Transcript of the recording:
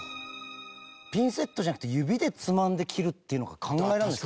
ピンセットじゃなくて指でつまんで切るっていうのが考えられないです。